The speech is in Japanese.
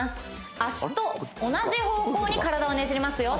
脚と同じ方向に体をねじりますよ